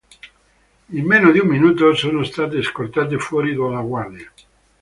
In meno di un minuto sono state scortate fuori dalle guardie.